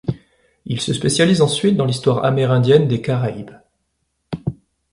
Il se spécialise ensuite dans l'histoire amérindienne des Caraïbes.